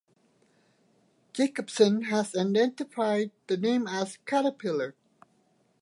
Jacobsen has identified the name as "Caterpillar".